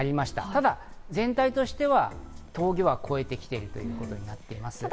ただ全体としては峠は越えてきているということになっています。